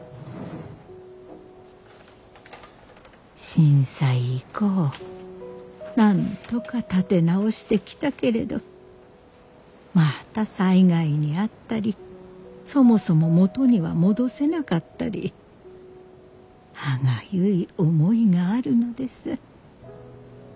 震災以降なんとか立て直してきたけれどまた災害に遭ったりそもそも元には戻せなかったり歯がゆい思いがあるのです。